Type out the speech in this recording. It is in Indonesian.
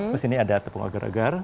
terus ini ada tepung agar agar